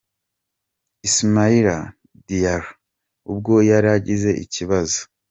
Ismaila Diarra ubwo yari agize ikibazo.